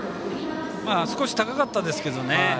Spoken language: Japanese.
少し高かったですけどね。